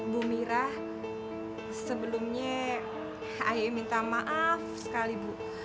bu mira sebelumnya ahy minta maaf sekali bu